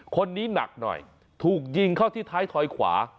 คนนี้หนักหน่อยถูกยิงเข้าที่ท้ายถอยขวา